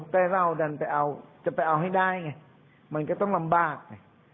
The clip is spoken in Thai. แต่เราดันไปเอาจะไปเอาให้ได้ไงมันก็ต้องลำบากไง